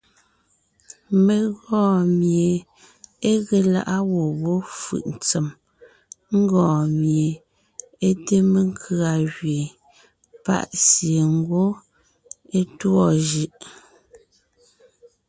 Mé gɔɔn mie é ge lá’a gwɔ̂ wó fʉʼ ntsèm, ńgɔɔn mie é te mekʉ̀a gẅeen, pa’ sie ngwɔ́ é tûɔ jʉ’.